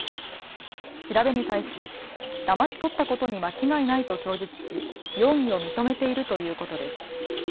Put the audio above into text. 調べに対し、だまし取ったことに間違いないと供述し容疑を認めているということです。